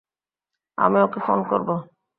আমি ওকে ফোন করবো।